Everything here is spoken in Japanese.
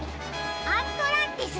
アントランティスです。